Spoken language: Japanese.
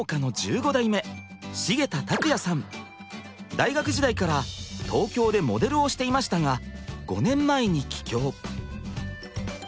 大学時代から東京でモデルをしていましたが５年前に帰郷。